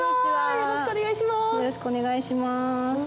よろしくお願いします。